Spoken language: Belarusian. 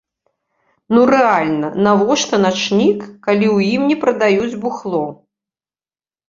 Ну рэальна, навошта начнік, калі ў ім не прадаюць бухло!?